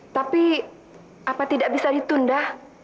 tapi apa tidak bisa ditunda